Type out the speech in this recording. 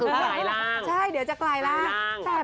ก็คือไกลล่างเดี๋ยวจะไกลล่างค่ะ